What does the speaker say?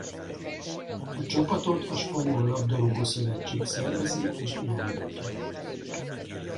A csapatot a spanyol labdarúgó-szövetség szervezi és irányítja.